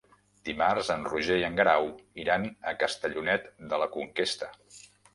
Dimarts en Roger i en Guerau iran a Castellonet de la Conquesta.